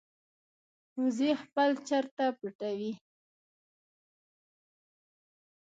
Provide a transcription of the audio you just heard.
وزې خپل چرته پټوي